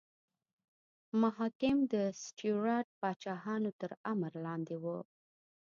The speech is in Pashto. محاکم د سټیورات پاچاهانو تر امر لاندې وو.